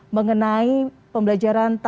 mengenai pembelajaran tatap